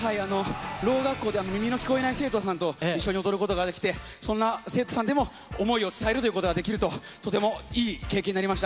ろう学校で耳の聞こえない生徒さんと一緒に踊ることができて、そんな生徒さんでも思いを伝えるということができると、とてもいい経験になりました。